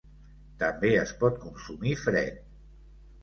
També es pot consumir fred.